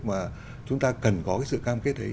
mà chúng ta cần có cái sự cam kết ấy